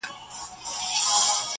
يو وزير به يې مين وو پر رنگونو.!